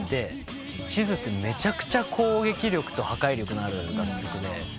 『一途』ってめちゃくちゃ攻撃力と破壊力のある楽曲で。